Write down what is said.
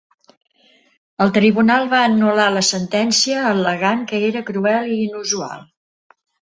El tribunal va anul·lar la sentència al·legant que era "cruel i inusual".